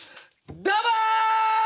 どうも！